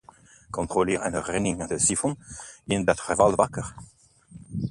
Controleer en reinig de sifon in dat geval vaker.